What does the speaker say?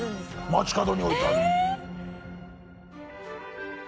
街角に置いてある。